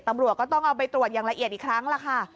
ตำรวจก็ต้องเอาไปตรวจอย่างละเอียดอีกครั้งล่ะค่ะ